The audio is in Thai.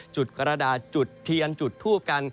จุดกระดาษจุดเทียนจุดทูบกัน